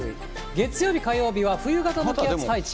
月曜日、火曜日は冬型の気圧配置。